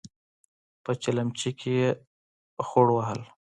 په چلمچي کې يې خوړ وهل.